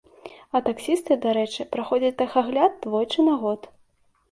А таксісты, дарэчы, праходзяць тэхагляд двойчы на год.